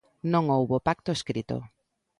Non houbo pacto escrito.